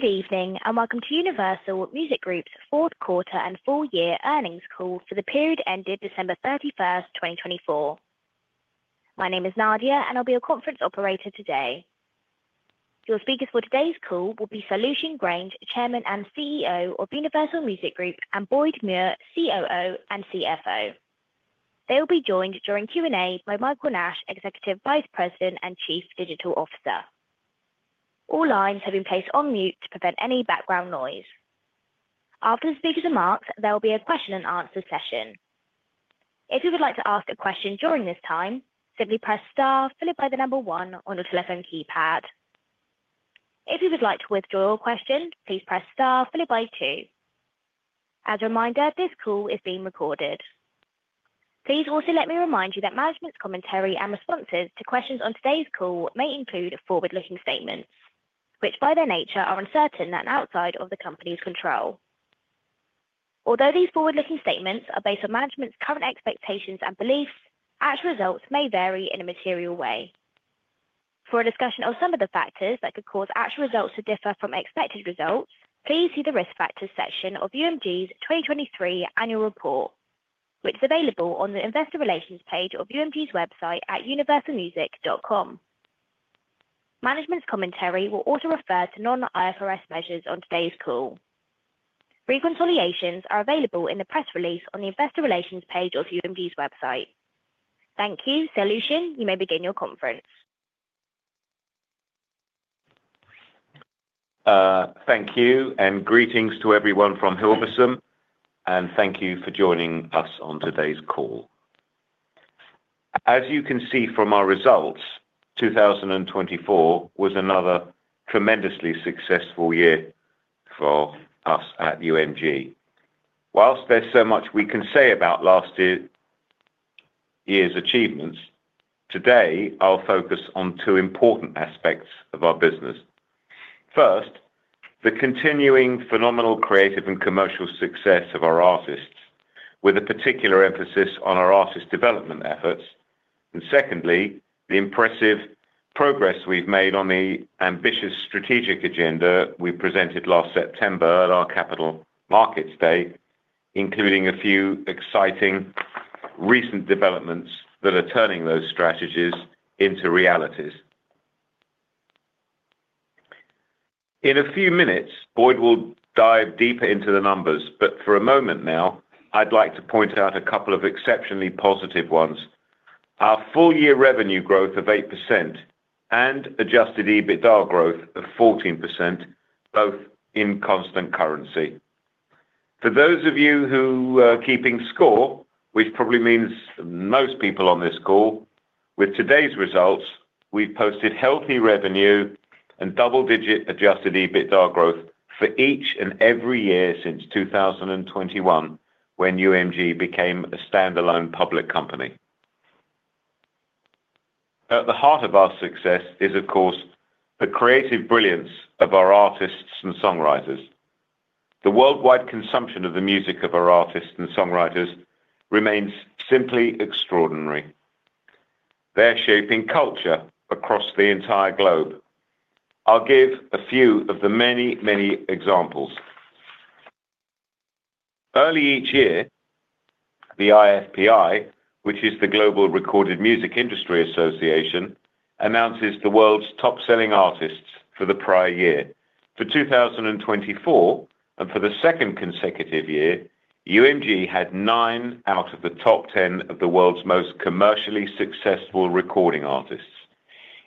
Good evening and Welcome to Universal Music Group's Q4 and Full-Year Earnings Call for the period ended December 31st, 2024. My name is Nadia, and I'll be your conference operator today. Your speakers for today's call will be Sir Lucian Grainge, Chairman and CEO of Universal Music Group, and Boyd Muir, COO and CFO. They will be joined during Q&A by Michael Nash, Executive Vice President and Chief Digital Officer. All lines have been placed on mute to prevent any background noise. After the speakers' remarks, there will be a question-and-answer session. If you would like to ask a question during this time, simply press star, followed by the number one on your telephone keypad. If you would like to withdraw your question, please press star, followed by two. As a reminder, this Call is being recorded. Please also let me remind you that management's commentary and responses to questions on today's call may include forward-looking statements, which by their nature are uncertain and outside of the company's control. Although these forward-looking statements are based on management's current expectations and beliefs, actual results may vary in a material way. For a discussion of some of the factors that could cause actual results to differ from expected results, please see the risk factors section of UMG's 2023 annual report, which is available on the Investor Relations page of UMG's website at universalmusic.com. Management's commentary will also refer to non-IFRS measures on today's call. Reconciliations are available in the press release on the Investor Relations page of UMG's website. Thank you. Sir Lucian, you may begin your conference. Thank you, and greetings to everyone from Hilversum, and thank you for joining us on today's call. As you can see from our results, 2024 was another tremendously successful year for us at UMG. While there's so much we can say about last year's achievements, today I'll focus on two important aspects of our business. First, the continuing phenomenal creative and commercial success of our artists, with a particular emphasis on our artist development efforts, and secondly, the impressive progress we've made on the ambitious strategic agenda we presented last September at our capital markets day, including a few exciting recent developments that are turning those strategies into realities. In a few minutes, Boyd will dive deeper into the numbers, but for a moment now, I'd like to point out a couple of exceptionally positive ones: our full-year revenue growth of 8% and adjusted EBITDA growth of 14%, both in constant currency. For those of you who are keeping score, which probably means most people on this call, with today's results, we've posted healthy revenue and double-digit adjusted EBITDA growth for each and every year since 2021, when UMG became a standalone public company. At the heart of our success is, of course, the creative brilliance of our artists and songwriters. The worldwide consumption of the music of our artists and songwriters remains simply extraordinary, their shaping culture across the entire globe. I'll give a few of the many, many examples. Early each year, the IFPI, which is the International Federation of the Phonographic Industry, announces the world's top-selling artists for the prior year. For 2024, and for the second consecutive year, UMG had nine out of the top 10 of the world's most commercially successful recording artists,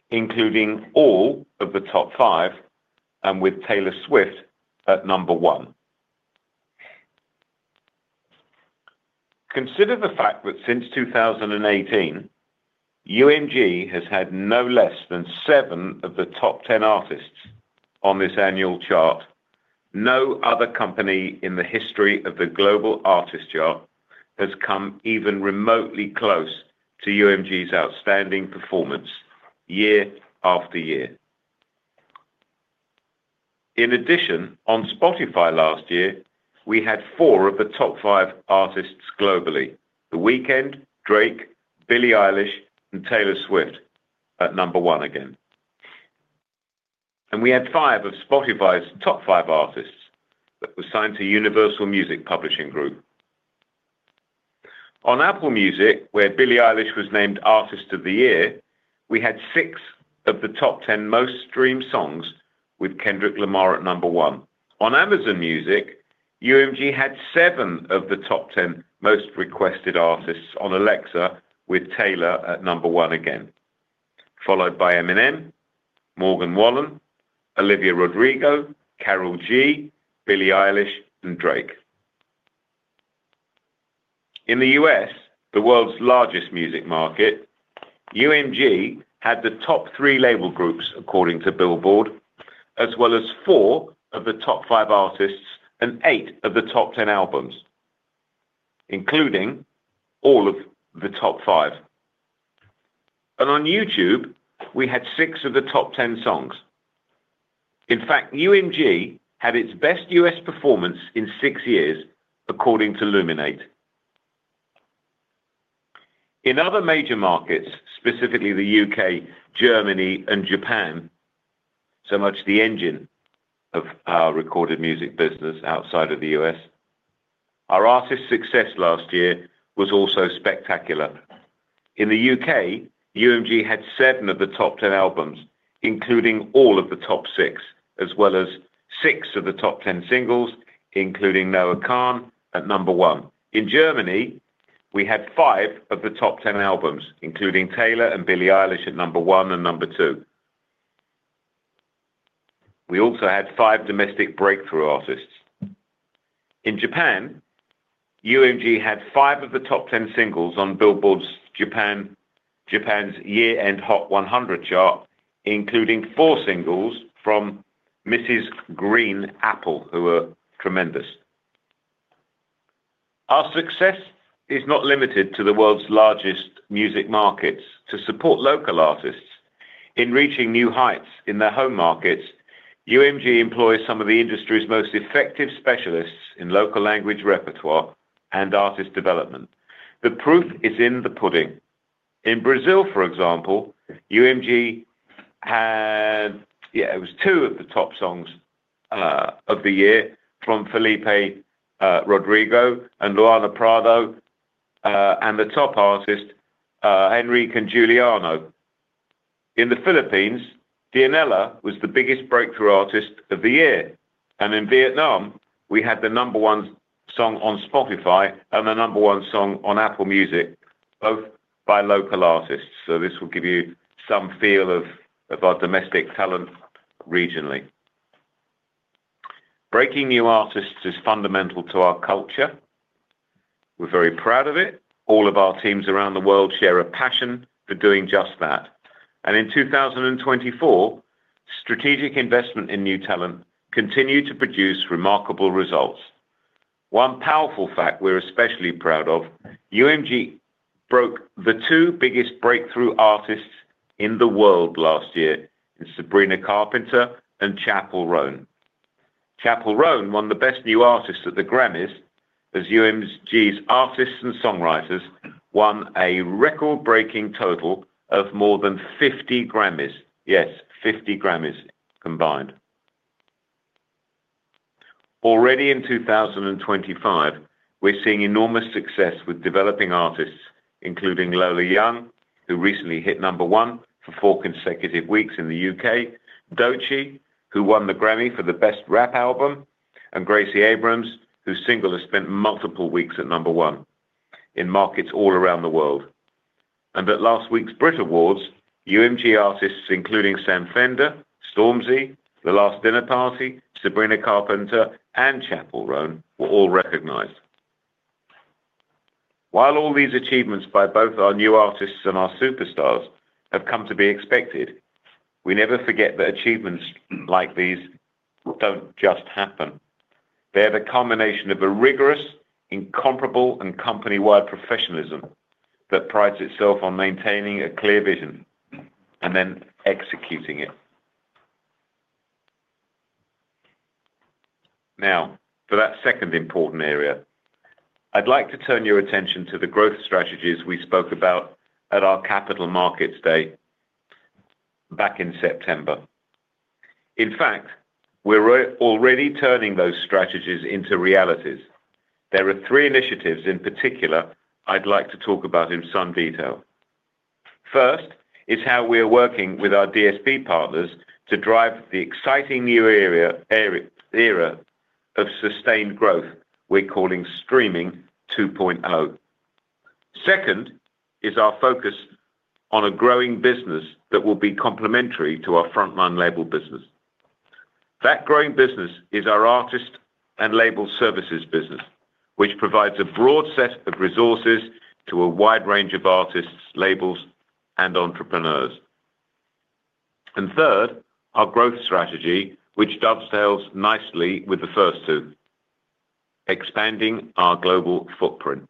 including all of the top five, and with Taylor Swift at number one. Consider the fact that since 2018, UMG has had no less than seven of the top 10 artists on this annual chart. No other company in the history of the global artist chart has come even remotely close to UMG's outstanding performance year after year. In addition, on Spotify last year, we had four of the top five artists globally: The Weeknd, Drake, Billie Eilish, and Taylor Swift at number one again. And we had five of Spotify's top five artists that were signed to Universal Music Publishing Group. On Apple Music, where Billie Eilish was named Artist of the Year, we had six of the top 10 most-streamed songs, with Kendrick Lamar at number one. On Amazon Music, UMG had seven of the top 10 most-requested artists on Alexa, with Taylor at number one again, followed by Eminem, Morgan Wallen, Olivia Rodrigo, Karol G, Billie Eilish, and Drake. In the U.S., the world's largest music market, UMG had the top three label groups, according to Billboard, as well as four of the top five artists and eight of the top 10 albums, including all of the top five. And on YouTube, we had six of the top 10 songs. In fact, UMG had its best U.S. performance in six years, according to Luminate. In other major markets, specifically the U.K., Germany, and Japan, so much the engine of our recorded music business outside of the U.S., our artist success last year was also spectacular. In the U.K., UMG had seven of the top 10 albums, including all of the top six, as well as six of the top 10 singles, including Noah Kahan, at number one. In Germany, we had five of the top 10 albums, including Taylor Swift and Billie Eilish at number one and number two. We also had five domestic breakthrough artists. In Japan, UMG had five of the top 10 singles on Billboard Japan's Year-End Hot 100 chart, including four singles from Mrs. Green Apple, who are tremendous. Our success is not limited to the world's largest music markets. To support local artists in reaching new heights in their home markets, UMG employs some of the industry's most effective specialists in local language repertoire and artist development. The proof is in the pudding. In Brazil, for example, UMG had two of the top songs of the year from Felipe Rodrigo and Lauana Prado and the top artist, Henrique and Juliano. In the Philippines, Dionela was the biggest breakthrough artist of the year. And in Vietnam, we had the number one song on Spotify and the number one song on Apple Music, both by local artists. So this will give you some feel of our domestic talent regionally. Breaking new artists is fundamental to our culture. We're very proud of it. All of our teams around the world share a passion for doing just that. In 2024, strategic investment in new talent continued to produce remarkable results. One powerful fact we're especially proud of: UMG broke the two biggest breakthrough artists in the world last year, Sabrina Carpenter and Chappell Roan. Chappell Roan won the Best New Artist at the Grammys as UMG's artists and songwriters won a record-breaking total of more than 50 Grammys, yes, 50 Grammys combined. Already in 2025, we're seeing enormous success with developing artists, including Lola Young, who recently hit number one for four consecutive weeks in the U.K., Doechii, who won the Grammy for the Best Rap Album, and Gracie Abrams, whose single has spent multiple weeks at number one in markets all around the world. At last week's Brit Awards, UMG artists, including Sam Fender, Stormzy, The Last Dinner Party, Sabrina Carpenter, and Chappell Roan, were all recognized. While all these achievements by both our new artists and our superstars have come to be expected, we never forget that achievements like these don't just happen. They're the combination of a rigorous, incomparable, and company-wide professionalism that prides itself on maintaining a clear vision and then executing it. Now, for that second important area, I'd like to turn your attention to the growth strategies we spoke about at our capital markets day back in September. In fact, we're already turning those strategies into realities. There are three initiatives in particular I'd like to talk about in some detail. First is how we are working with our DSP partners to drive the exciting new era of sustained growth we're calling Streaming 2.0. Second is our focus on a growing business that will be complementary to our frontline label business. That growing business is our artist and label services business, which provides a broad set of resources to a wide range of artists, labels, and entrepreneurs, and third, our growth strategy, which dovetails nicely with the first two, expanding our global footprint.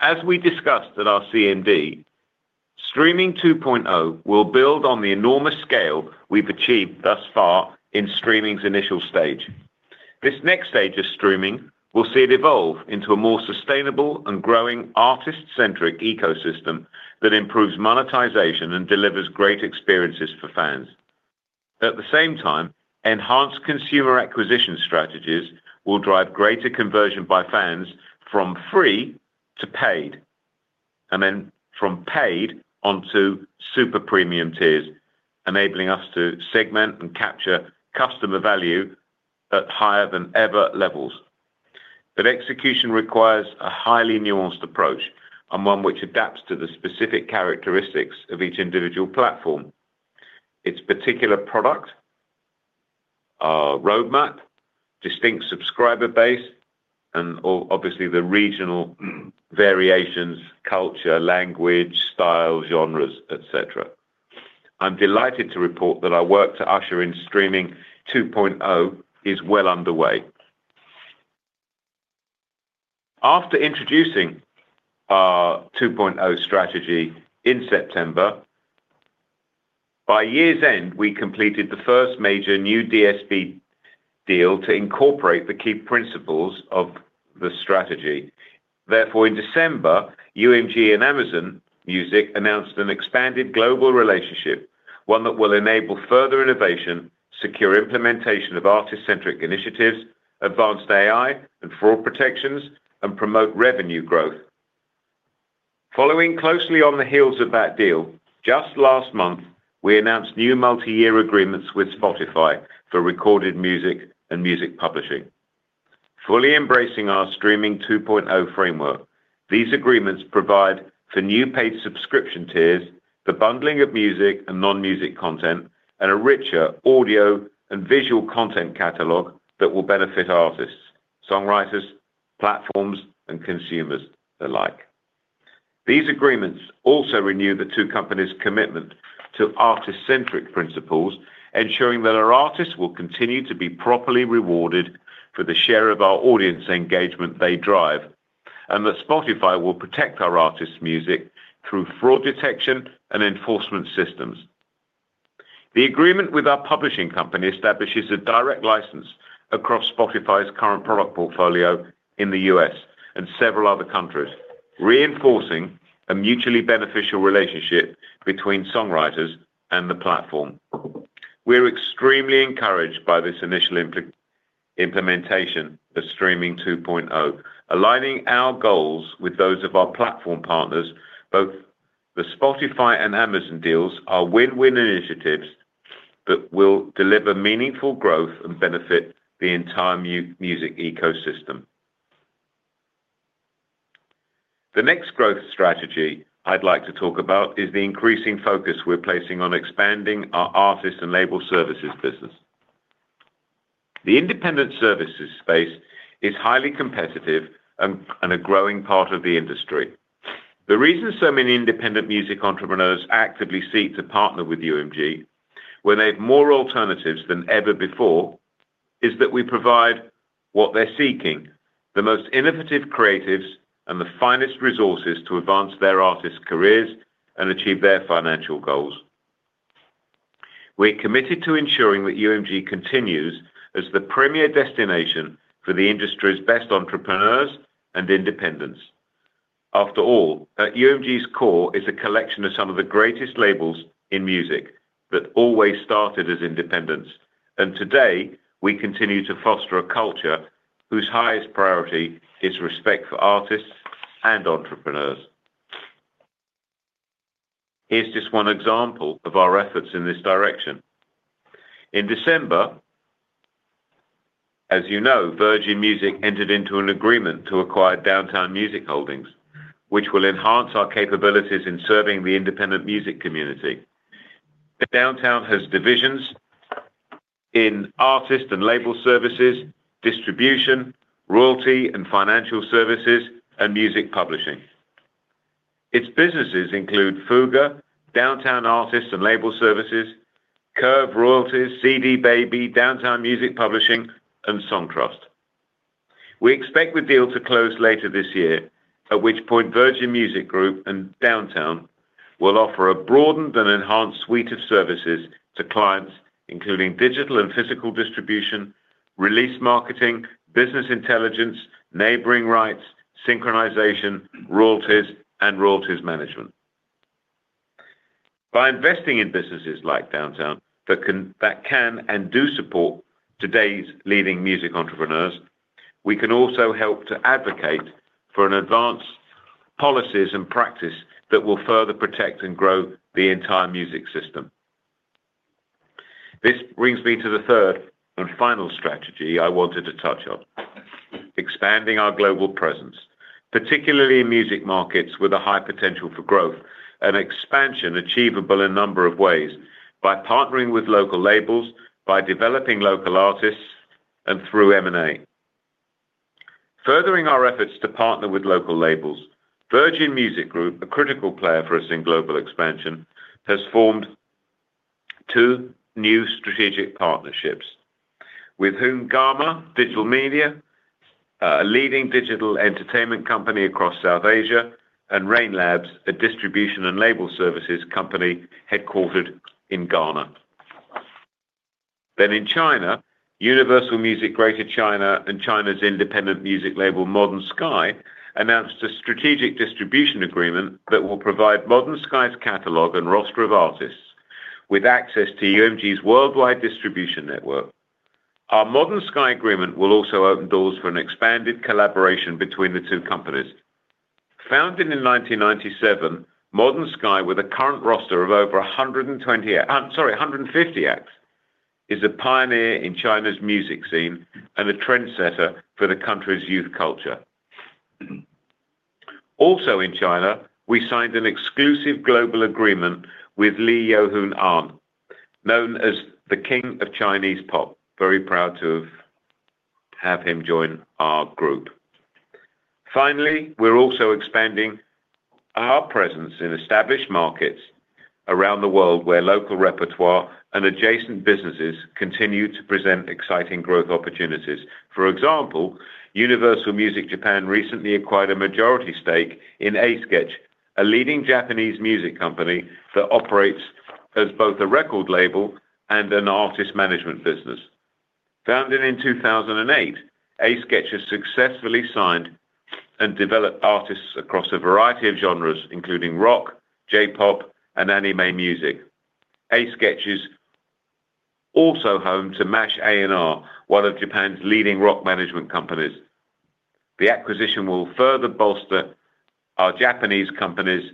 As we discussed at our CMD, Streaming 2.0 will build on the enormous scale we've achieved thus far in streaming's initial stage. This next stage of streaming will see it evolve into a more sustainable and growing artist-centric ecosystem that improves monetization and delivers great experiences for fans. At the same time, enhanced consumer acquisition strategies will drive greater conversion by fans from free to paid, and then from paid onto super premium tiers, enabling us to segment and capture customer value at higher-than-ever levels. But execution requires a highly nuanced approach and one which adapts to the specific characteristics of each individual platform, its particular product, roadmap, distinct subscriber base, and obviously the regional variations, culture, language, style, genres, etc. I'm delighted to report that our work to usher in Streaming 2.0 is well underway. After introducing our 2.0 strategy in September, by year's end, we completed the first major new DSP deal to incorporate the key principles of the strategy. Therefore, in December, UMG and Amazon Music announced an expanded global relationship, one that will enable further innovation, secure implementation of artist-centric initiatives, advanced AI and fraud protections, and promote revenue growth. Following closely on the heels of that deal, just last month, we announced new multi-year agreements with Spotify for recorded music and music publishing. Fully embracing our Streaming 2.0 framework, these agreements provide for new paid subscription tiers, the bundling of music and non-music content, and a richer audio and visual content catalog that will benefit artists, songwriters, platforms, and consumers alike. These agreements also renew the two companies' commitment to artist-centric principles, ensuring that our artists will continue to be properly rewarded for the share of our audience engagement they drive, and that Spotify will protect our artists' music through fraud detection and enforcement systems. The agreement with our publishing company establishes a direct license across Spotify's current product portfolio in the U.S. and several other countries, reinforcing a mutually beneficial relationship between songwriters and the platform. We're extremely encouraged by this initial implementation of Streaming 2.0, aligning our goals with those of our platform partners. Both the Spotify and Amazon deals are win-win initiatives that will deliver meaningful growth and benefit the entire music ecosystem. The next growth strategy I'd like to talk about is the increasing focus we're placing on expanding our artists and label services business. The independent services space is highly competitive and a growing part of the industry. The reason so many independent music entrepreneurs actively seek to partner with UMG, where they have more alternatives than ever before, is that we provide what they're seeking: the most innovative creatives and the finest resources to advance their artists' careers and achieve their financial goals. We're committed to ensuring that UMG continues as the premier destination for the industry's best entrepreneurs and independents. After all, at UMG's core is a collection of some of the greatest labels in music that always started as independents. And today, we continue to foster a culture whose highest priority is respect for artists and entrepreneurs. Here's just one example of our efforts in this direction. In December, as you know, Virgin Music entered into an agreement to acquire Downtown Music Holdings, which will enhance our capabilities in serving the independent music community. Downtown has divisions in artist and label services, distribution, royalty and financial services, and music publishing. Its businesses include Fuga, Downtown Artists and Label Services, Curve Royalty, CD Baby, Downtown Music Publishing, and Songtrust. We expect the deal to close later this year, at which point Virgin Music Group and Downtown will offer a broadened and enhanced suite of services to clients, including digital and physical distribution, release marketing, business intelligence, neighboring rights, synchronization, royalties, and royalties management. By investing in businesses like Downtown that can and do support today's leading music entrepreneurs, we can also help to advocate for advanced policies and practice that will further protect and grow the entire music system. This brings me to the third and final strategy I wanted to touch on: expanding our global presence, particularly in music markets with a high potential for growth, an expansion achievable in a number of ways by partnering with local labels, by developing local artists, and through M&A. Furthering our efforts to partner with local labels, Virgin Music Group, a critical player for us in global expansion, has formed two new strategic partnerships with Hungama Digital Media, a leading digital entertainment company across South Asia, and Rain Labs, a distribution and label services company headquartered in Ghana. Then in China, Universal Music Greater China and China's independent music label, Modern Sky, announced a strategic distribution agreement that will provide Modern Sky's catalog and roster of artists with access to UMG's worldwide distribution network. Our Modern Sky agreement will also open doors for an expanded collaboration between the two companies. Founded in 1997, Modern Sky, with a current roster of over 120 acts, sorry, 150 acts, is a pioneer in China's music scene and a trendsetter for the country's youth culture. Also in China, we signed an exclusive global agreement with Wang Leehom, known as the King of Chinese Pop. Very proud to have him join our group. Finally, we're also expanding our presence in established markets around the world where local repertoire and adjacent businesses continue to present exciting growth opportunities. For example, Universal Music Japan recently acquired a majority stake in A-Sketch, a leading Japanese music company that operates as both a record label and an artist management business. Founded in 2008, A-Sketch has successfully signed and developed artists across a variety of genres, including rock, J-pop, and anime music. A-Sketch is also home to Mash A&R, one of Japan's leading rock management companies. The acquisition will further bolster our Japanese company's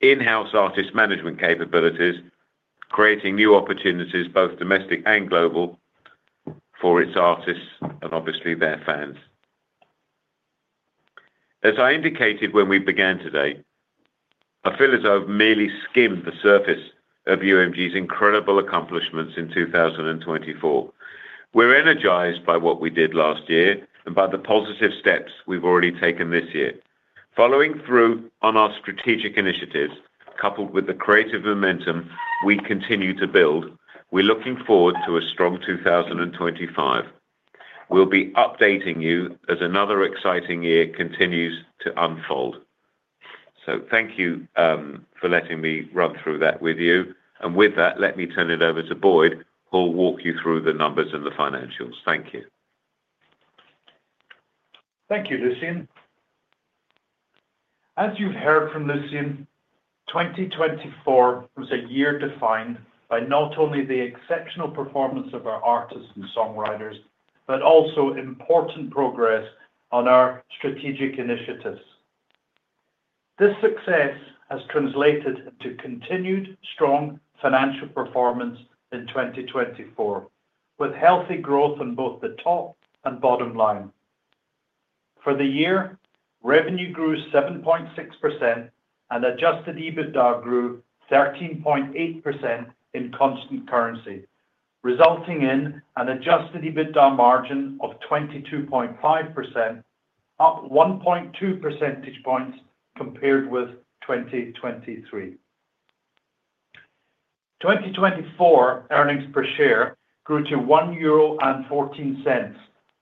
in-house artist management capabilities, creating new opportunities, both domestic and global, for its artists and obviously their fans. As I indicated when we began today, I feel I've merely skimmed the surface of UMG's incredible accomplishments in 2024. We're energized by what we did last year and by the positive steps we've already taken this year. Following through on our strategic initiatives, coupled with the creative momentum we continue to build, we're looking forward to a strong 2025. We'll be updating you as another exciting year continues to unfold. So thank you for letting me run through that with you. And with that, let me turn it over to Boyd, who'll walk you through the numbers and the financials. Thank you. Thank you, Lucian. As you've heard from Lucian, 2024 was a year defined by not only the exceptional performance of our artists and songwriters, but also important progress on our strategic initiatives. This success has translated into continued strong financial performance in 2024, with healthy growth on both the top and bottom line. For the year, revenue grew 7.6% and adjusted EBITDA grew 13.8% in constant currency, resulting in an adjusted EBITDA margin of 22.5%, up 1.2 percentage points compared with 2023. 2024 earnings per share grew to 1.14 euro,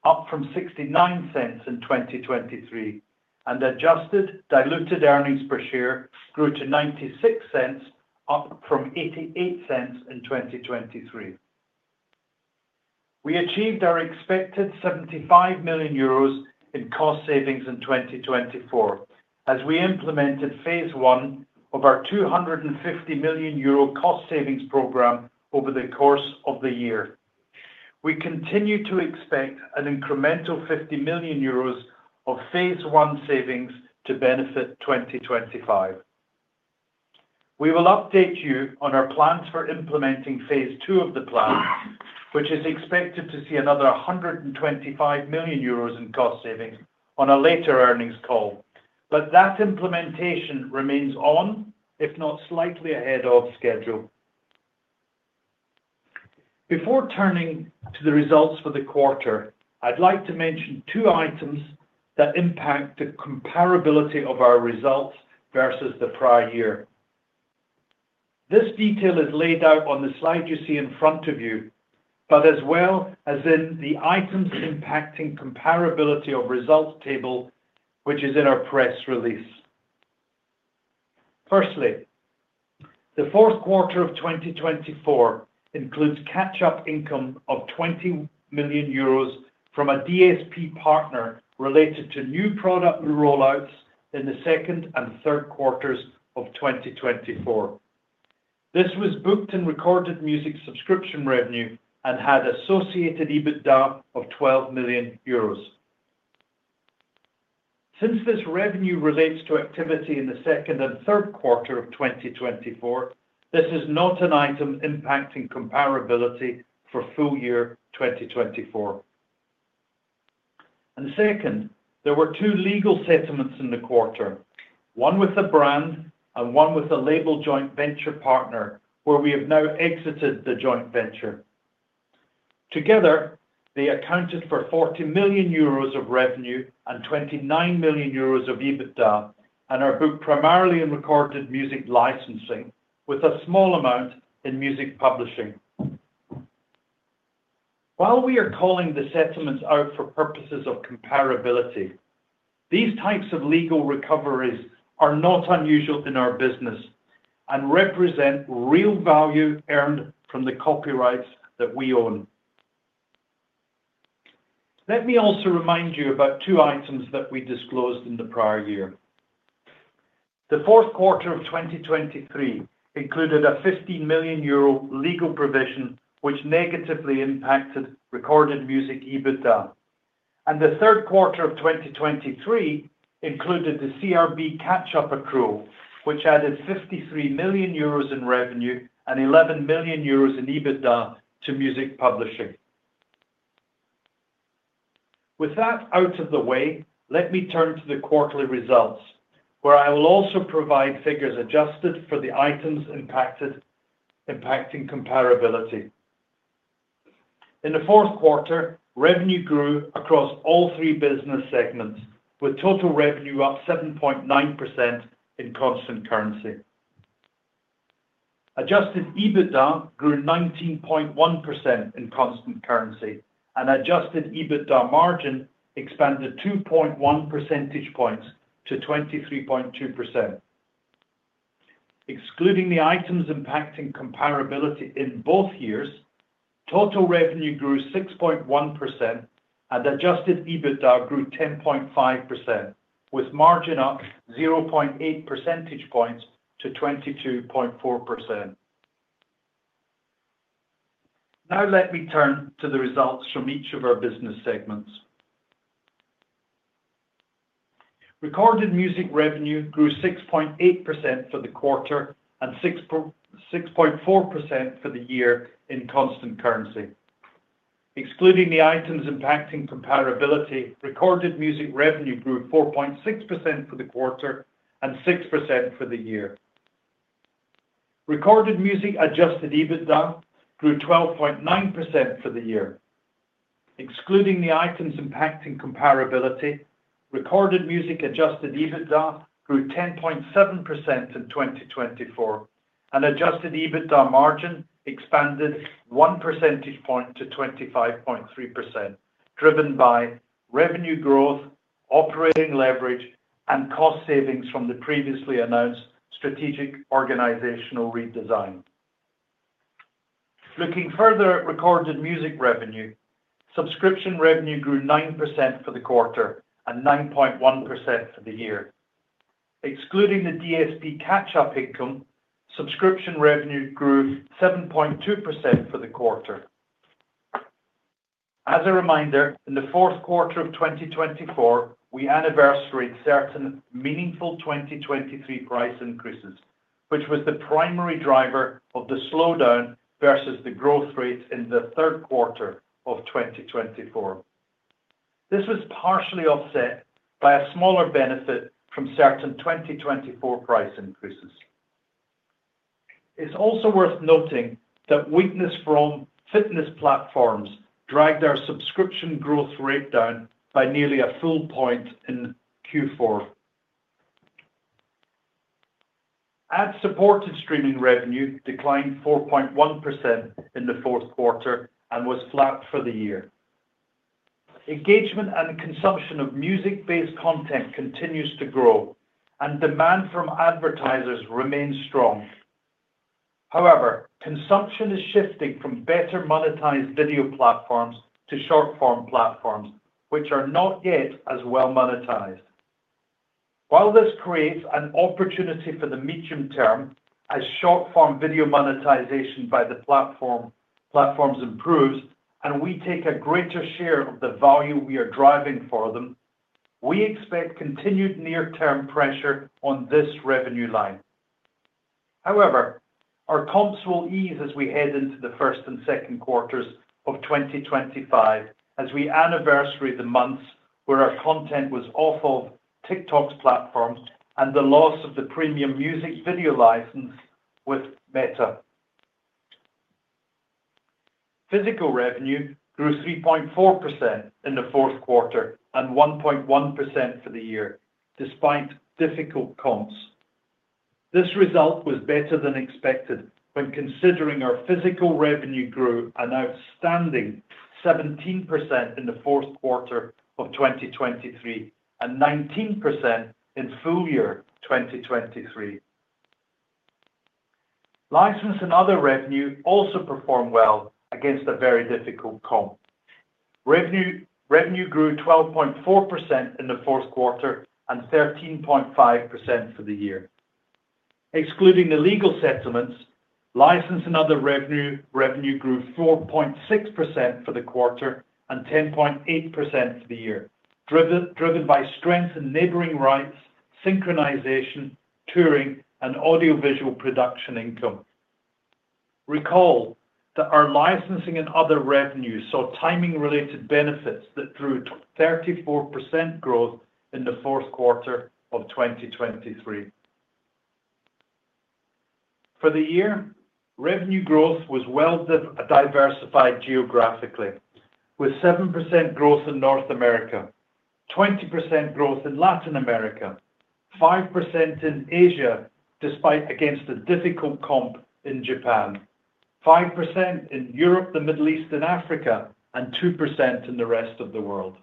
up from 0.69 in 2023, and adjusted diluted earnings per share grew to 0.96, up from 0.88 in 2023. We achieved our expected 75 million euros in cost savings in 2024 as we implemented phase I of our 250 million euro cost savings program over the course of the year. We continue to expect an incremental 50 million euros of phase I savings to benefit 2025. We will update you on our plans for implementing phase II of the plan, which is expected to see another 125 million euros in cost savings on a later earnings call. But that implementation remains on, if not slightly ahead of schedule. Before turning to the results for the quarter, I'd like to mention two items that impact the comparability of our results versus the prior year. This detail is laid out on the slide you see in front of you, but as well as in the items impacting comparability of results table, which is in our press release. Firstly, the Q4 of 2024 includes catch-up income of 20 million euros from a DSP partner related to new product rollouts in the second and Q3 of 2024. This was booked and recorded music subscription revenue and had associated EBITDA of 12 million euros. Since this revenue relates to activity in the Q2 and Q3 of 2024, this is not an item impacting comparability for full year 2024, and second, there were two legal settlements in the quarter, one with a brand and one with a label joint venture partner, where we have now exited the joint venture. Together, they accounted for 40 million euros of revenue and 29 million euros of EBITDA and are booked primarily in recorded music licensing, with a small amount in music publishing. While we are calling the settlements out for purposes of comparability, these types of legal recoveries are not unusual in our business and represent real value earned from the copyrights that we own. Let me also remind you about two items that we disclosed in the prior year. The Q4 of 2023 included a 15 million euro legal provision, which negatively impacted recorded music EBITDA, and the Q3 of 2023 included the CRB catch-up accrual, which added 53 million euros in revenue and 11 million euros in EBITDA to music publishing. With that out of the way, let me turn to the quarterly results, where I will also provide figures adjusted for the items impacting comparability. In the Q4, revenue grew across all three business segments, with total revenue up 7.9% in constant currency. Adjusted EBITDA grew 19.1% in constant currency, and adjusted EBITDA margin expanded 2.1 percentage points to 23.2%. Excluding the items impacting comparability in both years, total revenue grew 6.1% and adjusted EBITDA grew 10.5%, with margin up 0.8 percentage points to 22.4%. Now let me turn to the results from each of our business segments. Recorded music revenue grew 6.8% for the quarter and 6.4% for the year in constant currency. Excluding the items impacting comparability, recorded music revenue grew 4.6% for the quarter and 6% for the year. Recorded music adjusted EBITDA grew 12.9% for the year. Excluding the items impacting comparability, recorded music adjusted EBITDA grew 10.7% in 2024, and adjusted EBITDA margin expanded 1 percentage point to 25.3%, driven by revenue growth, operating leverage, and cost savings from the previously announced strategic organizational redesign. Looking further at recorded music revenue, subscription revenue grew 9% for the quarter and 9.1% for the year. Excluding the DSP catch-up income, subscription revenue grew 7.2% for the quarter. As a reminder, in the Q4 of 2024, we anniversary certain meaningful 2023 price increases, which was the primary driver of the slowdown versus the growth rate in the Q3 of 2024. This was partially offset by a smaller benefit from certain 2024 price increases. It's also worth noting that weakness from fitness platforms dragged our subscription growth rate down by nearly a full point in Q4. Ad-supported streaming revenue declined 4.1% in the Q4 and was flat for the year. Engagement and consumption of music-based content continues to grow, and demand from advertisers remains strong. However, consumption is shifting from better monetized video platforms to short-form platforms, which are not yet as well monetized. While this creates an opportunity for the medium term, as short-form video monetization by the platforms improves and we take a greater share of the value we are driving for them, we expect continued near-term pressure on this revenue line. However, our comps will ease as we head into the first and Q2 of 2025, as we anniversary the months where our content was off of TikTok's platforms and the loss of the premium music video license with Meta. Physical revenue grew 3.4% in the Q4 and 1.1% for the year, despite difficult comps. This result was better than expected when considering our physical revenue grew an outstanding 17% in the Q4 of 2023 and 19% in full year 2023. License and other revenue also performed well against a very difficult comp. Revenue grew 12.4% in the Q4 and 13.5% for the year. Excluding the legal settlements, license and other revenue grew 4.6% for the quarter and 10.8% for the year, driven by strength in neighboring rights, synchronization, touring, and audio-visual production income. Recall that our licensing and other revenue saw timing-related benefits that drew 34% growth in the fourth quarter of 2023. For the year, revenue growth was well diversified geographically, with 7% growth in North America, 20% growth in Latin America, 5% in Asia against a difficult comp in Japan, 5% in Europe, the Middle East, and Africa, and 2% in the rest of the world.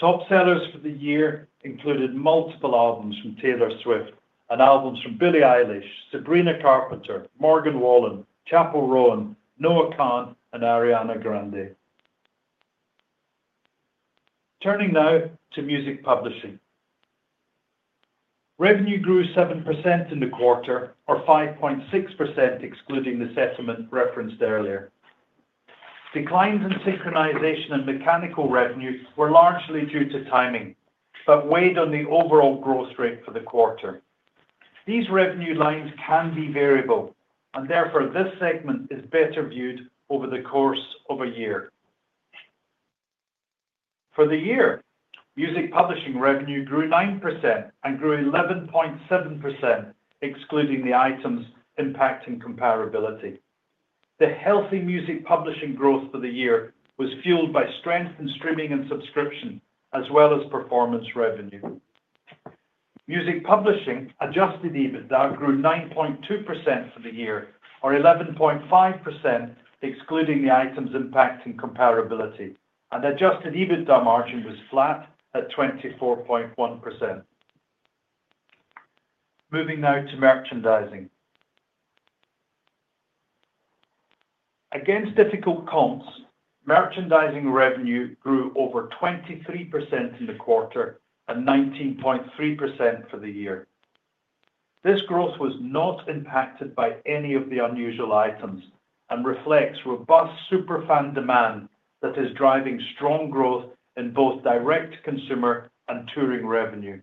Top sellers for the year included multiple albums from Taylor Swift and albums from Billie Eilish, Sabrina Carpenter, Morgan Wallen, Chappell Roan, Noah Kahan, and Ariana Grande. Turning now to music publishing. Revenue grew 7% in the quarter, or 5.6% excluding the settlement referenced earlier. Declines in synchronization and mechanical revenue were largely due to timing, but weighed on the overall growth rate for the quarter. These revenue lines can be variable, and therefore this segment is better viewed over the course of a year. For the year, music publishing revenue grew 9% and grew 11.7%, excluding the items impacting comparability. The healthy music publishing growth for the year was fueled by strength in streaming and subscription, as well as performance revenue. Music publishing adjusted EBITDA grew 9.2% for the year, or 11.5%, excluding the items impacting comparability, and adjusted EBITDA margin was flat at 24.1%. Moving now to merchandising. Against difficult comps, merchandising revenue grew over 23% in the quarter and 19.3% for the year. This growth was not impacted by any of the unusual items and reflects robust superfan demand that is driving strong growth in both direct consumer and touring revenue.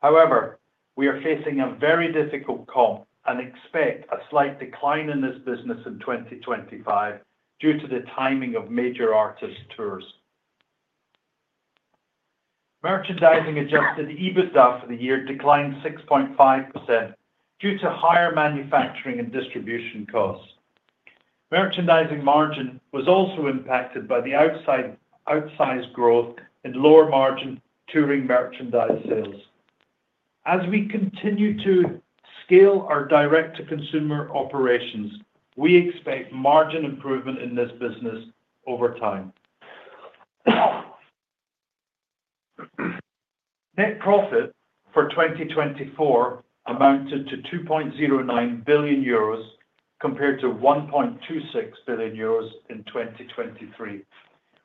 However, we are facing a very difficult comp and expect a slight decline in this business in 2025 due to the timing of major artists' tours. Merchandising adjusted EBITDA for the year declined 6.5% due to higher manufacturing and distribution costs. Merchandising margin was also impacted by the outsized growth in lower-margin touring merchandise sales. As we continue to scale our direct-to-consumer operations, we expect margin improvement in this business over time. Net profit for 2024 amounted to 2.09 billion euros compared to 1.26 billion euros in 2023,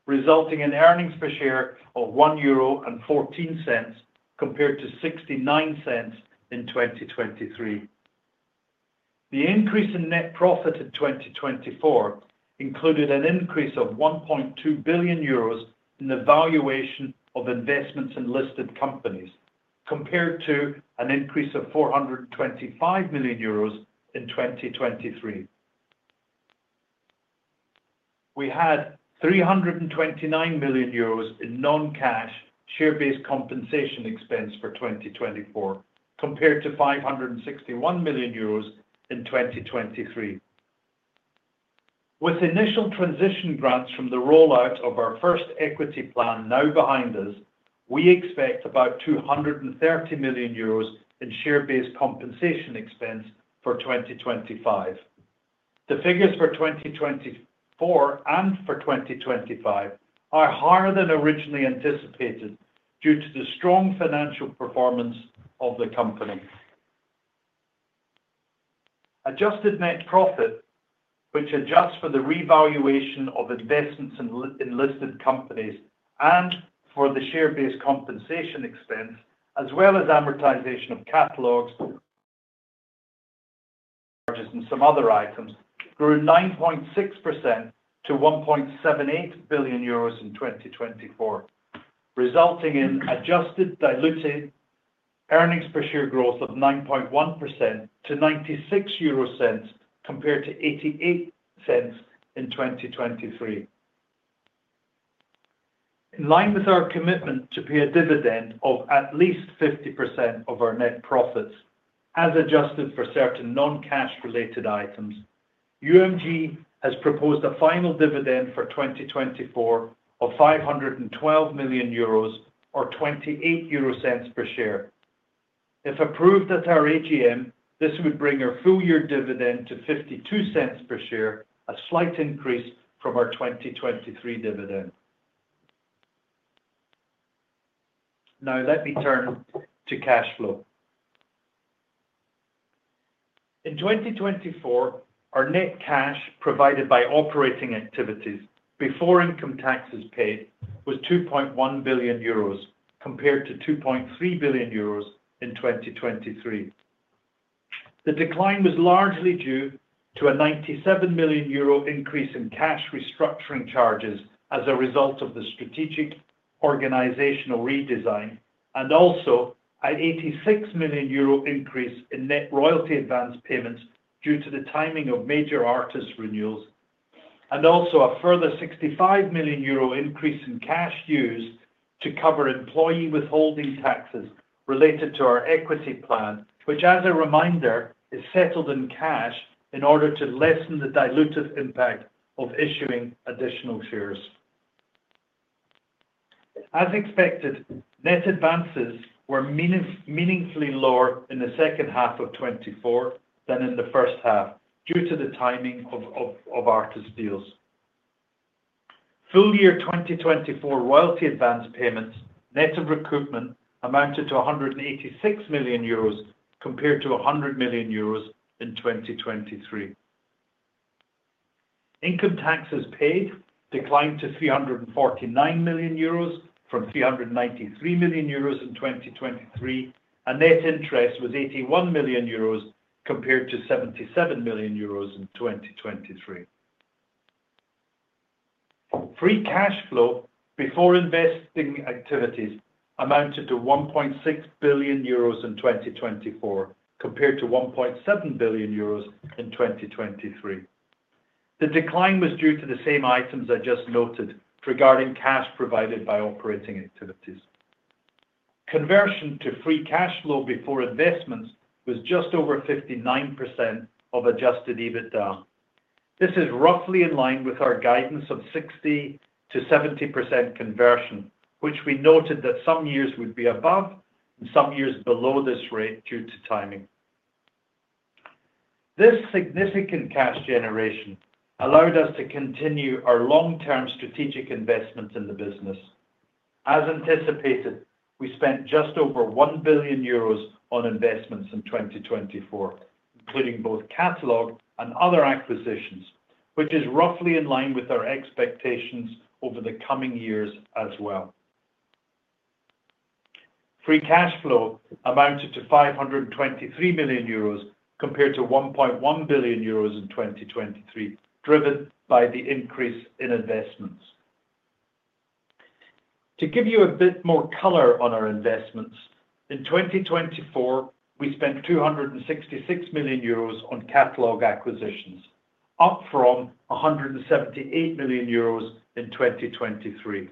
resulting in earnings per share of 1.14 euro compared to 0.69 in 2023. The increase in net profit in 2024 included an increase of 1.2 billion euros in the valuation of investments in listed companies, compared to an increase of 425 million euros in 2023. We had 329 million euros in non-cash share-based compensation expense for 2024, compared to 561 million euros in 2023. With initial transition grants from the rollout of our first equity plan now behind us, we expect about 230 million euros in share-based compensation expense for 2025. The figures for 2024 and for 2025 are higher than originally anticipated due to the strong financial performance of the company. Adjusted net profit, which adjusts for the revaluation of investments in listed companies and for the share-based compensation expense, as well as amortization of catalogs and some other items, grew 9.6% to 1.78 billion euros in 2024, resulting in adjusted diluted earnings per share growth of 9.1% to 0.96 compared to 0.88 in 2023. In line with our commitment to pay a dividend of at least 50% of our net profits, as adjusted for certain non-cash-related items, UMG has proposed a final dividend for 2024 of 512 million euros, or 0.28 per share. If approved at our AGM, this would bring our full-year dividend to 0.52 per share, a slight increase from our 2023 dividend. Now let me turn to cash flow. In 2024, our net cash provided by operating activities before income taxes paid was 2.1 billion euros, compared to 2.3 billion euros in 2023. The decline was largely due to a 97 million euro increase in cash restructuring charges as a result of the strategic organizational redesign, and also an 86 million euro increase in net royalty advance payments due to the timing of major artists' renewals, and also a further 65 million euro increase in cash used to cover employee withholding taxes related to our equity plan, which, as a reminder, is settled in cash in order to lessen the diluted impact of issuing additional shares. As expected, net advances were meaningfully lower in the second half of 2024 than in the first half due to the timing of artists' deals. Full year 2024 royalty advance payments net of recoupment amounted to 186 million euros compared to 100 million euros in 2023. Income taxes paid declined to 349 million euros from 393 million euros in 2023, and net interest was 81 million euros compared to 77 million euros in 2023. Free cash flow before investing activities amounted to 1.6 billion euros in 2024, compared to 1.7 billion euros in 2023. The decline was due to the same items I just noted regarding cash provided by operating activities. Conversion to free cash flow before investments was just over 59% of adjusted EBITDA. This is roughly in line with our guidance of 60%-70% conversion, which we noted that some years would be above and some years below this rate due to timing. This significant cash generation allowed us to continue our long-term strategic investments in the business. As anticipated, we spent just over 1 billion euros on investments in 2024, including both catalog and other acquisitions, which is roughly in line with our expectations over the coming years as well. Free cash flow amounted to 523 million euros compared to 1.1 billion euros in 2023, driven by the increase in investments. To give you a bit more color on our investments, in 2024, we spent 266 million euros on catalog acquisitions, up from 178 million euros in 2023.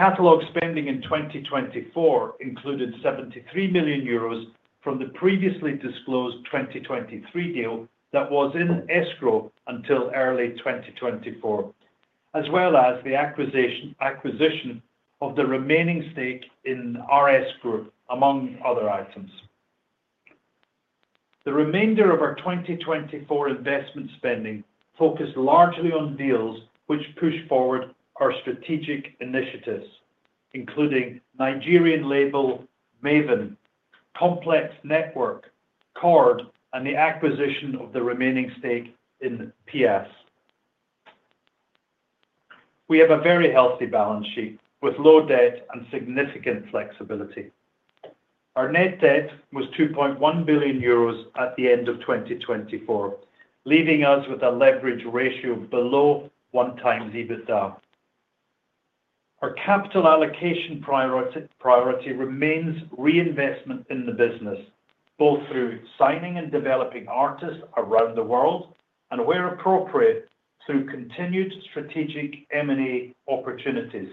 Catalog spending in 2024 included 73 million euros from the previously disclosed 2023 deal that was in escrow until early 2024, as well as the acquisition of the remaining stake in RS Group, among other items. The remainder of our 2024 investment spending focused largely on deals which push forward our strategic initiatives, including Nigerian label Mavin, Complex Network, Chord, and the acquisition of the remaining stake in PIAS. We have a very healthy balance sheet with low debt and significant flexibility. Our net debt was 2.1 billion euros at the end of 2024, leaving us with a leverage ratio below one times EBITDA. Our capital allocation priority remains reinvestment in the business, both through signing and developing artists around the world, and where appropriate, through continued strategic M&A opportunities.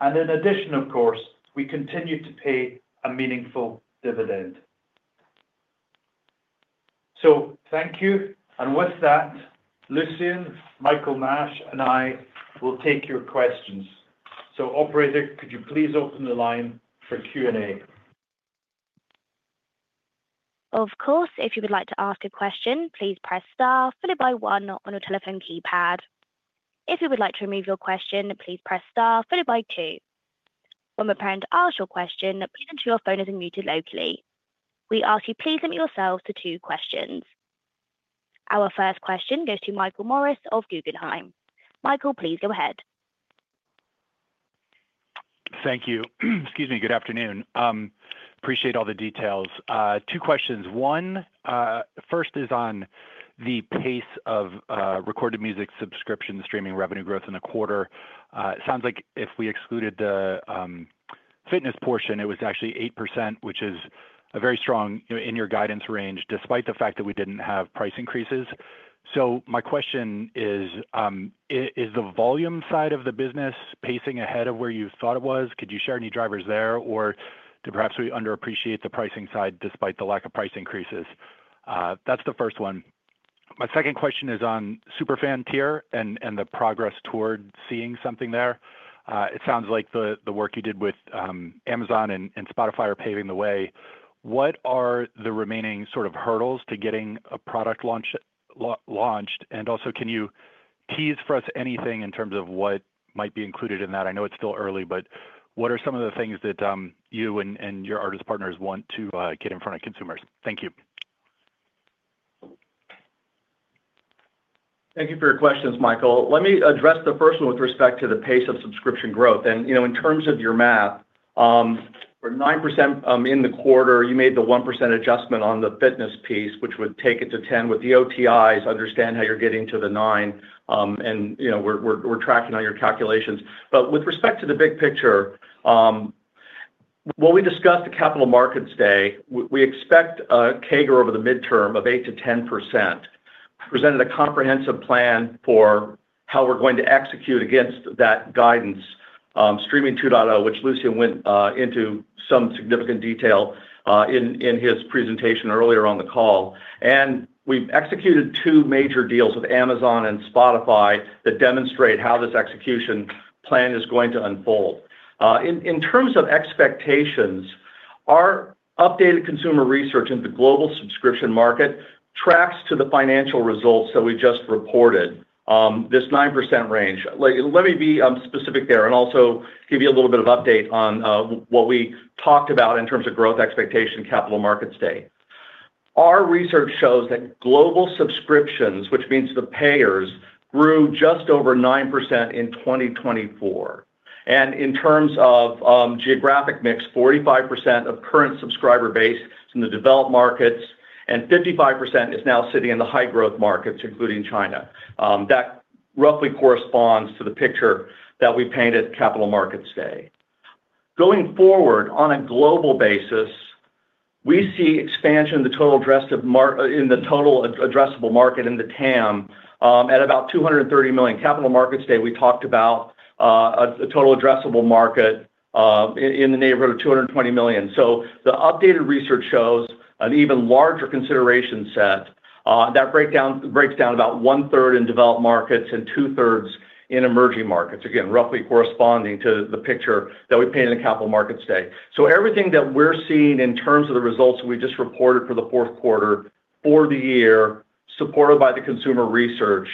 And in addition, of course, we continue to pay a meaningful dividend. So thank you. And with that, Lucian, Michael Nash, and I will take your questions. So operator, could you please open the line for Q&A? Of course, if you would like to ask a question, please press star followed by one on your telephone keypad. If you would like to remove your question, please press star followed by two. When we're preparing to ask your question, please ensure your phone is unmuted locally. We ask you, please limit yourselves to two questions. Our first question goes to Michael Morris of Guggenheim. Michael, please go ahead. Thank you. Excuse me. Good afternoon. Appreciate all the details. Two questions. One, first is on the pace of recorded music subscription streaming revenue growth in the quarter. It sounds like if we excluded the fitness portion, it was actually 8%, which is a very strong in your guidance range, despite the fact that we didn't have price increases. So my question is, is the volume side of the business pacing ahead of where you thought it was? Could you share any drivers there, or did perhaps we underappreciate the pricing side despite the lack of price increases? That's the first one. My second question is on superfan tier and the progress toward seeing something there. It sounds like the work you did with Amazon and Spotify are paving the way. What are the remaining sort of hurdles to getting a product launched? And also, can you tease for us anything in terms of what might be included in that? I know it's still early, but what are some of the things that you and your artist partners want to get in front of consumers? Thank you. Thank you for your questions, Michael. Let me address the first one with respect to the pace of subscription growth, and in terms of your math, we're nine% in the quarter. You made the one% adjustment on the fitness piece, which would take it to 10 with the OTIs. Understand how you're getting to the nine, and we're tracking on your calculations, but with respect to the big picture, what we discussed at Capital Markets Day. We expect CAGR over the midterm of eight%-10%. Presented a comprehensive plan for how we're going to execute against that guidance, Streaming 2.0, which Lucian went into some significant detail in his presentation earlier on the call. And we've executed two major deals with Amazon and Spotify that demonstrate how this execution plan is going to unfold. In terms of expectations, our updated consumer research in the global subscription market tracks to the financial results that we just reported, this 9% range. Let me be specific there and also give you a little bit of update on what we talked about in terms of growth expectation Capital Markets Day. Our research shows that global subscriptions, which means the payers, grew just over 9% in 2024. And in terms of geographic mix, 45% of current subscriber base is in the developed markets, and 55% is now sitting in the high-growth markets, including China. That roughly corresponds to the picture that we painted Capital Markets Day. Going forward on a global basis, we see expansion in the total addressable market in the TAM at about 230 million. Capital Markets Day, we talked about a total addressable market in the neighborhood of 220 million. So the updated research shows an even larger consideration set. That breaks down about one-third in developed markets and two-thirds in emerging markets, again, roughly corresponding to the picture that we painted in Capital Markets Day. So everything that we're seeing in terms of the results we just reported for the Q4 for the year, supported by the consumer research,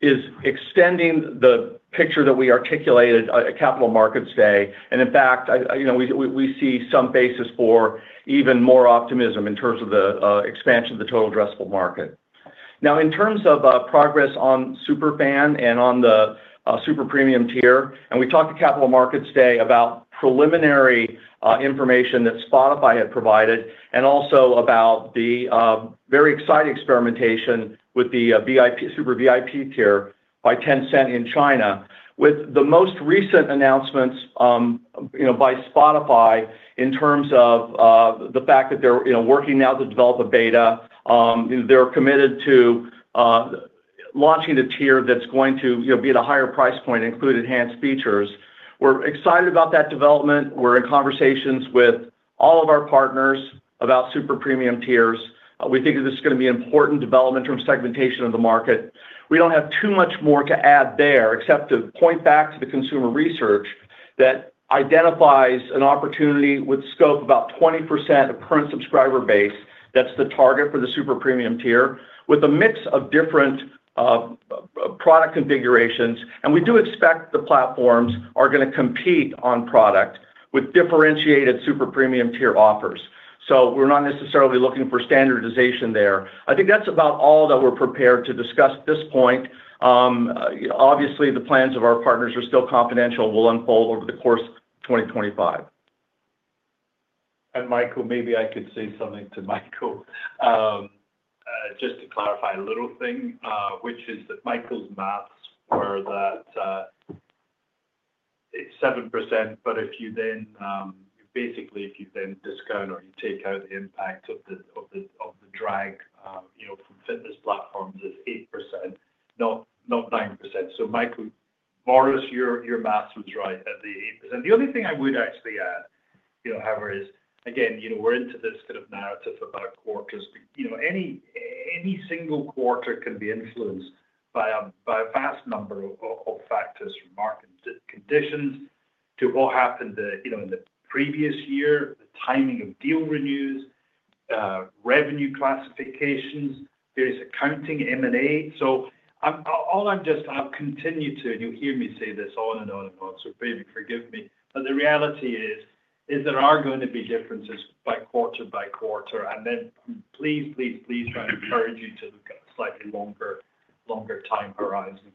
is extending the picture that we articulated at Capital Markets Day. And in fact, we see some basis for even more optimism in terms of the expansion of the total addressable market. Now, in terms of progress on superfan and on the super premium tier, and we talked at Capital Markets Day about preliminary information that Spotify had provided, and also about the very exciting experimentation with the super VIP tier by Tencent in China, with the most recent announcements by Spotify in terms of the fact that they're working now to develop a beta. They're committed to launching the tier that's going to be at a higher price point, including enhanced features. We're excited about that development. We're in conversations with all of our partners about super premium tiers. We think this is going to be an important development from segmentation of the market. We don't have too much more to add there, except to point back to the consumer research that identifies an opportunity with scope of about 20% of current subscriber base. That's the target for the super premium tier, with a mix of different product configurations. We do expect the platforms are going to compete on product with differentiated super premium tier offers. We're not necessarily looking for standardization there. I think that's about all that we're prepared to discuss at this point. Obviously, the plans of our partners are still confidential. We'll unfold over the course of 2025. Michael, maybe I could say something to Michael. Just to clarify a little thing, which is that Michael's math were that it's 7%, but if you then basically discount or you take out the impact of the drag from fitness platforms, it's 8%, not 9%. Michael Morris, your math was right at the 8%. The only thing I would actually add, Howard, is, again, we're into this kind of narrative about quarters. Any single quarter can be influenced by a vast number of factors, from market conditions to what happened in the previous year, the timing of deal renews, revenue classifications, various accounting, M&A. So all I'm just I'll continue to, and you'll hear me say this on and on and on, so maybe forgive me. But the reality is there are going to be differences by quarter by quarter, and then please, please, please try to encourage you to look at a slightly longer time horizon.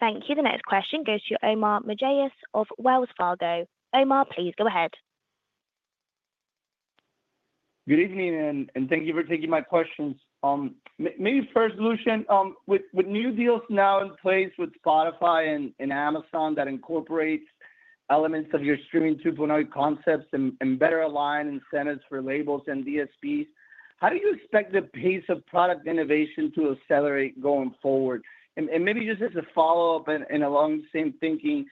Thank you. The next question goes to Omar Mejias of Wells Fargo. Omar, please go ahead. Good evening, and thank you for taking my questions. Maybe first, Lucian, with new deals now in place with Spotify and Amazon that incorporate elements of your Streaming 2.0 concepts and better align incentives for labels and DSPs, how do you expect the pace of product innovation to accelerate going forward? And maybe just as a follow-up and along the same thinking,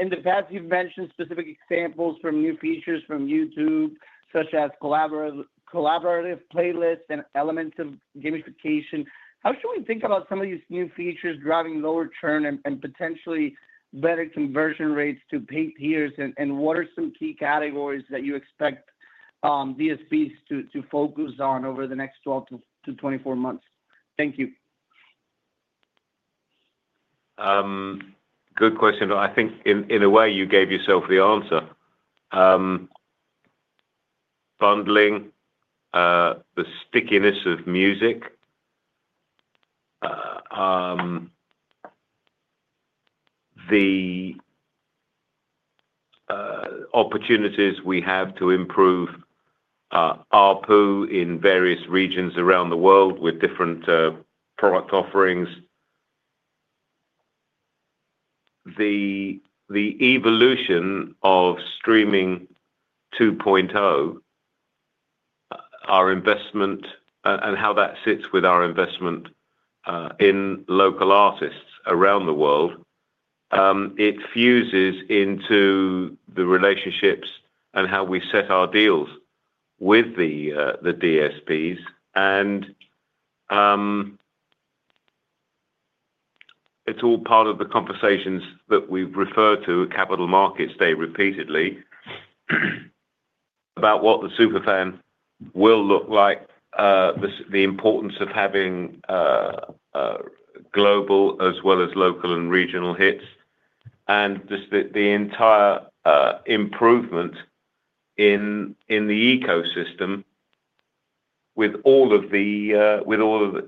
in the past, you've mentioned specific examples from new features from YouTube, such as collaborative playlists and elements of gamification. How should we think about some of these new features driving lower churn and potentially better conversion rates to paid tiers? And what are some key categories that you expect DSPs to focus on over the next 12 to 24 months? Thank you. Good question. I think in a way, you gave yourself the answer. Bundling, the stickiness of music, the opportunities we have to improve RPU in various regions around the world with different product offerings, the evolution of Streaming 2.0, our investment, and how that sits with our investment in local artists around the world. It fuses into the relationships and how we set our deals with the DSPs, and it's all part of the conversations that we've referred to at Capital Markets Day repeatedly about what the superfan will look like, the importance of having global as well as local and regional hits, and the entire improvement in the ecosystem with all of the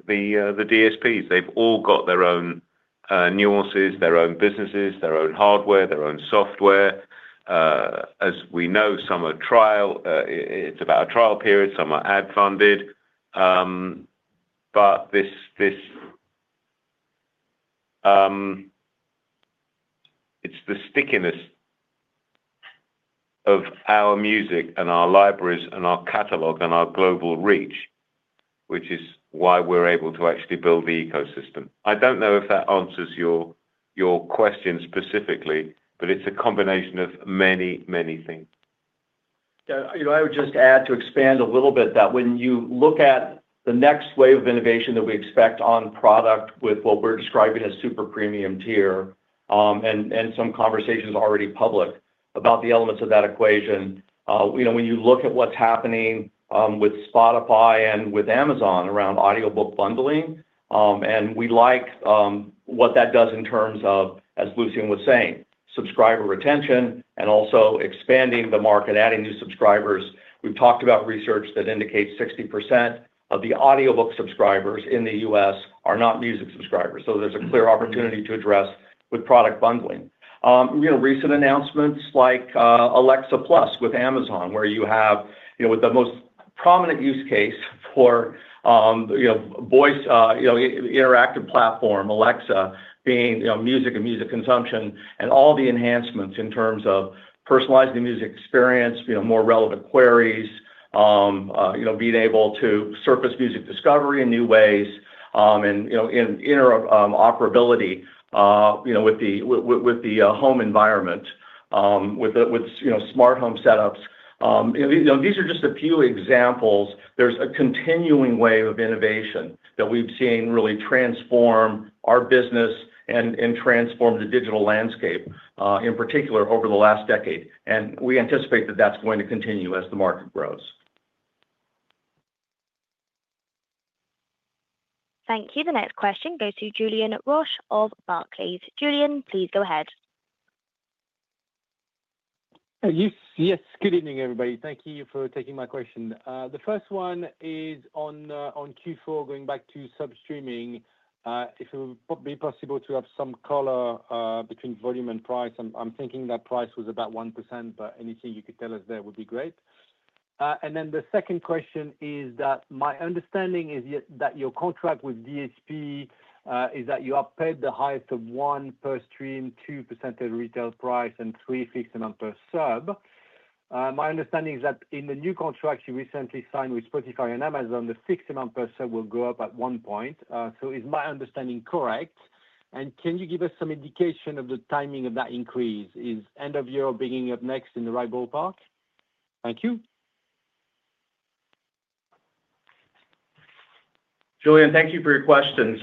DSPs. They've all got their own nuances, their own businesses, their own hardware, their own software. As we know, some are trial. It's about a trial period. Some are ad-funded. But it's the stickiness of our music and our libraries and our catalog and our global reach, which is why we're able to actually build the ecosystem. I don't know if that answers your question specifically, but it's a combination of many, many things. I would just add to expand a little bit that when you look at the next wave of innovation that we expect on product with what we're describing as super premium tier and some conversations already public about the elements of that equation, when you look at what's happening with Spotify and with Amazon around audiobook bundling, and we like what that does in terms of, as Lucian was saying, subscriber retention and also expanding the market, adding new subscribers. We've talked about research that indicates 60% of the audiobook subscribers in the U.S. are not music subscribers. So there's a clear opportunity to address with product bundling. Recent announcements like Alexa Plus with Amazon, where you have with the most prominent use case for voice interactive platform, Alexa, being music and music consumption and all the enhancements in terms of personalizing the music experience, more relevant queries, being able to surface music discovery in new ways, and interoperability with the home environment with smart home setups. These are just a few examples. There's a continuing wave of innovation that we've seen really transform our business and transform the digital landscape, in particular, over the last decade. And we anticipate that that's going to continue as the market grows. Thank you. The next question goes to Julien Roch of Barclays. Julien, please go ahead. Yes. Good evening, everybody. Thank you for taking my question. The first one is on Q4, going back to subscription streaming. If it would be possible to have some color between volume and price, I'm thinking that price was about 1%, but anything you could tell us there would be great. And then the second question is that my understanding is that your contract with DSP is that you are paid the highest of one per stream, 2% of retail price, and a fixed amount per sub. My understanding is that in the new contract you recently signed with Spotify and Amazon, the fixed amount per sub will go up at one point. So is my understanding correct? And can you give us some indication of the timing of that increase? Is end of year or beginning of next in the right ballpark? Thank you. Julien, thank you for your questions.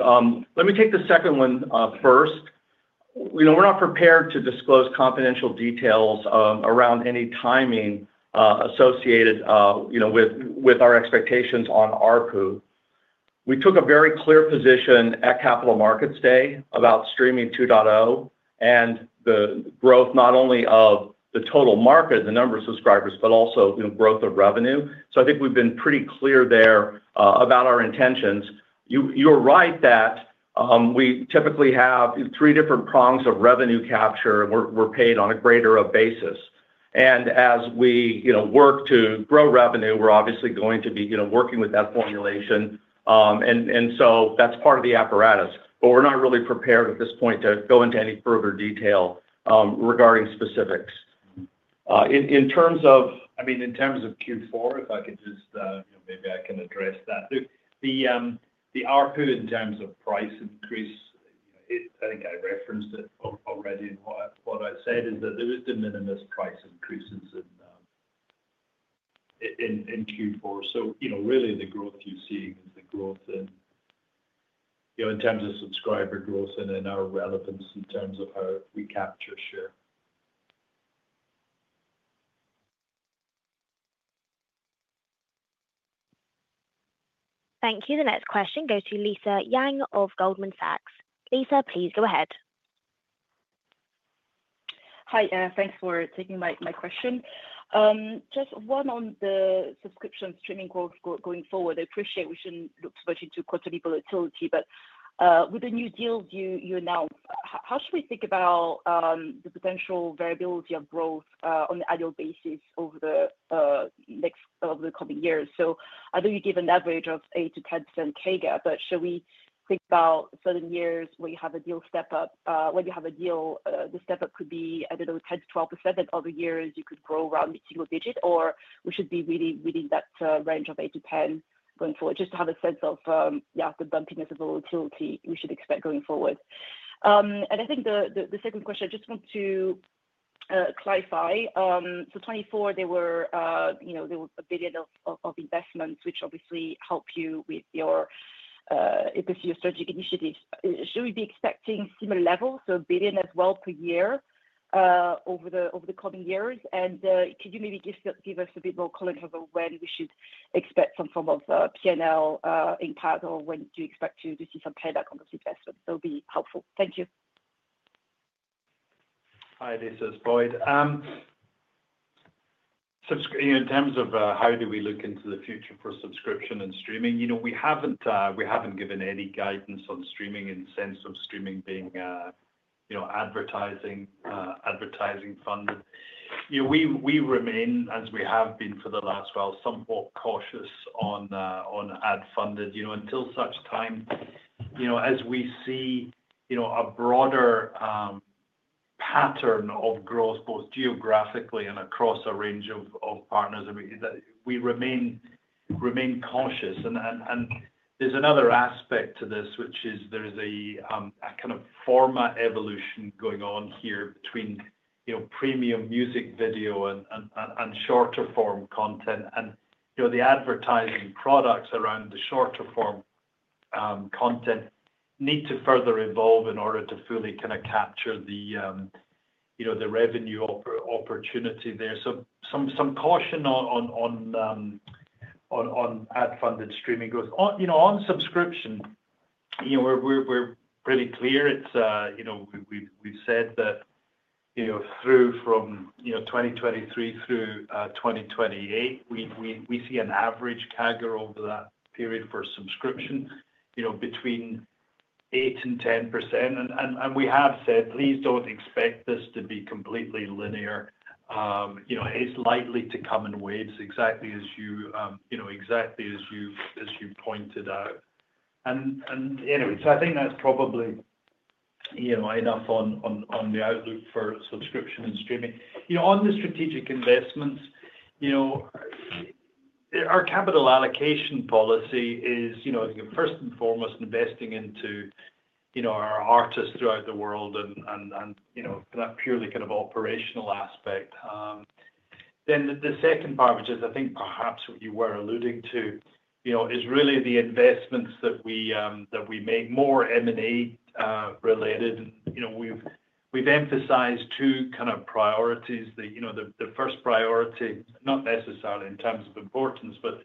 Let me take the second one first. We're not prepared to disclose confidential details around any timing associated with our expectations on RPU. We took a very clear position at Capital Markets Day about Streaming 2.0 and the growth not only of the total market, the number of subscribers, but also growth of revenue. So I think we've been pretty clear there about our intentions. You're right that we typically have three different prongs of revenue capture. We're paid on a pro rata basis. And as we work to grow revenue, we're obviously going to be working with that formulation. And so that's part of the apparatus. But we're not really prepared at this point to go into any further detail regarding specifics. In terms of, I mean, in terms of Q4, if I could just maybe I can address that. The RPU in terms of price increase, I think I referenced it already. What I said is that there is the minimum price increases in Q4. So really, the growth you're seeing is the growth in terms of subscriber growth and in our relevance in terms of how we capture share. Thank you. The next question goes to Lisa Yang of Goldman Sachs. Lisa, please go ahead. Hi. Thanks for taking my question. Just one on the subscription streaming growth going forward. I appreciate we shouldn't look so much into quarterly volatility, but with the new deals you announced, how should we think about the potential variability of growth on an annual basis over the next couple of years? So I know you gave an average of 8%-10% CAGR, but should we think about certain years where you have a deal step-up? When you have a deal, the step-up could be, I don't know, 10%-12%, and other years you could grow around the single digit, or we should be really within that range of 8%-10% going forward? Just to have a sense of, yeah, the bumpiness of volatility we should expect going forward, and I think the second question, I just want to clarify. So 2024, there were 1 billion of investments, which obviously help you with your strategic initiatives. Should we be expecting similar levels, so 1 billion as well per year over the coming years? And could you maybe give us a bit more context of when we should expect some form of P&L impact, or when do you expect to see some payback on those investments? That would be helpful. Thank you. Hi, this is Boyd. In terms of how do we look into the future for subscription and streaming, we haven't given any guidance on streaming in the sense of streaming being advertising funded. We remain, as we have been for the last while, somewhat cautious on ad funded. Until such time, as we see a broader pattern of growth, both geographically and across a range of partners, we remain cautious, and there's another aspect to this, which is there is a kind of format evolution going on here between premium music, video, and shorter-form content, and the advertising products around the shorter-form content need to further evolve in order to fully kind of capture the revenue opportunity there, so some caution on ad funded streaming growth. On subscription, we're pretty clear. We've said that through from 2023 through 2028, we see an average CAGR over that period for subscription between 8% and 10%. We have said, please don't expect this to be completely linear. It's likely to come in waves, exactly as you pointed out. Anyway, I think that's probably enough on the outlook for subscription and streaming. On the strategic investments, our capital allocation policy is, first and foremost, investing into our artists throughout the world and that purely kind of operational aspect. The second part, which is, I think, perhaps what you were alluding to, is really the investments that we make more M&A related. We've emphasized two kind of priorities. The first priority, not necessarily in terms of importance, but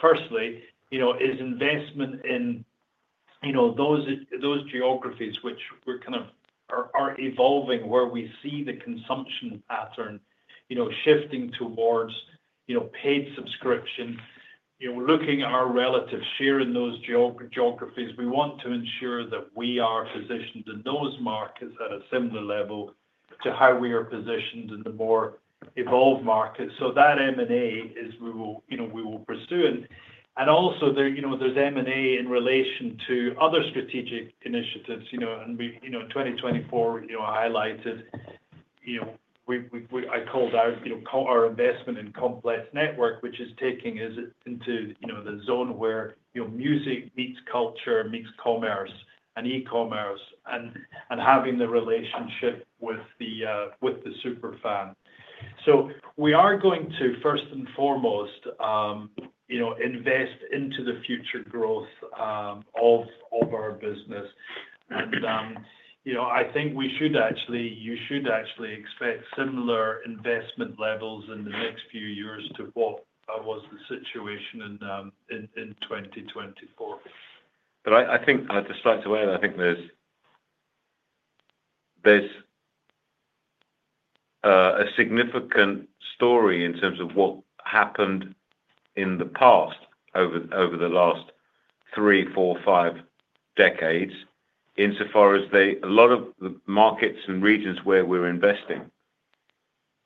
firstly, is investment in those geographies which we're kind of evolving where we see the consumption pattern shifting towards paid subscription. Looking at our relative share in those geographies, we want to ensure that we are positioned in those markets at a similar level to how we are positioned in the more evolved markets. So that M&A is we will pursue. And also, there's M&A in relation to other strategic initiatives. And in 2024, I highlighted, I called out our investment in Complex Network, which is taking us into the zone where music meets culture, meets commerce and e-commerce, and having the relationship with the superfan. So we are going to, first and foremost, invest into the future growth of our business. And I think you should actually expect similar investment levels in the next few years to what was the situation in 2024. But I think, to stray away, I think there's a significant story in terms of what happened in the past over the last three, four, five decades insofar as a lot of the markets and regions where we're investing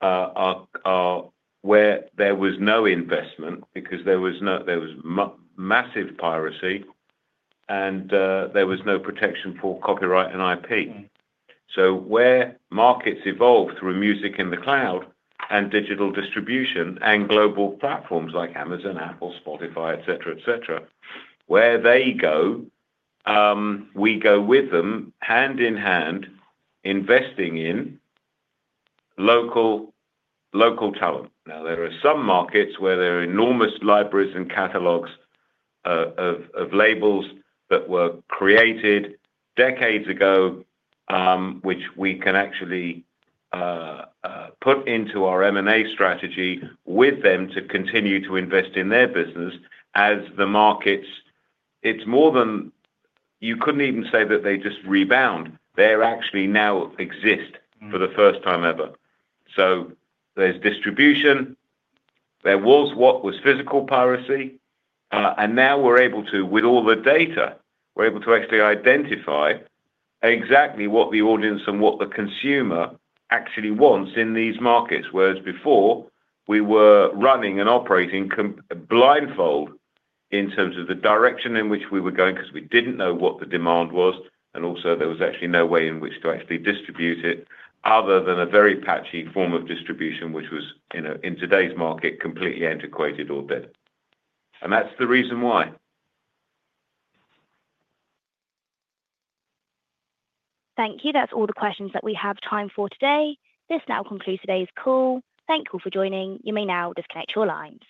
are where there was no investment because there was massive piracy and there was no protection for copyright and IP. So where markets evolve through music in the cloud and digital distribution and global platforms like Amazon, Apple, Spotify, etc., etc., where they go, we go with them hand in hand investing in local talent. Now, there are some markets where there are enormous libraries and catalogs of labels that were created decades ago, which we can actually put into our M&A strategy with them to continue to invest in their business as the markets. It's more than you could even say that they just rebound. They actually now exist for the first time ever. So there's distribution. There was what was physical piracy. And now we're able to, with all the data, we're able to actually identify exactly what the audience and what the consumer actually wants in these markets, whereas before we were running and operating blindfold in terms of the direction in which we were going because we didn't know what the demand was. And also, there was actually no way in which to actually distribute it other than a very patchy form of distribution, which was, in today's market, completely antiquated or dead. And that's the reason why. Thank you. That's all the questions that we have time for today. This now concludes today's call. Thank you for joining. You may now disconnect your lines.